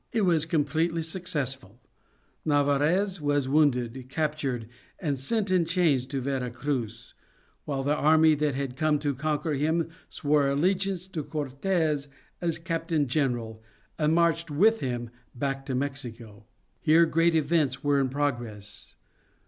It was completely successful; Narvaez was wounded, captured, and sent in chains to Vera Cruz, while the army that had come to conquer him swore allegiance to Cortes as Captain General and marched with him back to Mexico. Here great events were in progress.